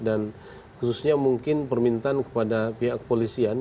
dan khususnya mungkin permintaan kepada pihak kepolisian